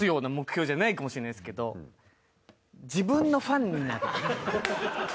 自分のファンになる。